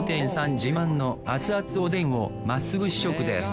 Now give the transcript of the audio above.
自慢の熱々おでんをまっすぐ試食です